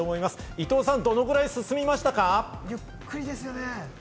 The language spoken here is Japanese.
伊藤さん、どのくらい進みましたか？